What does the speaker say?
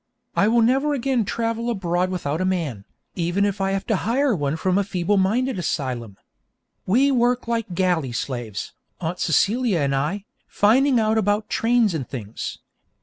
I will never again travel abroad without a man, even if I have to hire one from a feeble minded asylum. We work like galley slaves, Aunt Celia and I, finding out about trains and things.